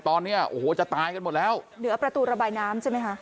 ตอนนี้โอ้โหจะตายกันหมดแล้วเหนือประตูระบายน้ำใช่ไหมคะ